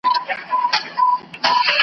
بيا ځلې سياسي فعاليت نه دی معلوم شوی